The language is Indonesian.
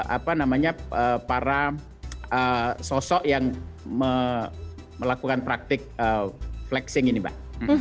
apa namanya para sosok yang melakukan praktik flexing ini mbak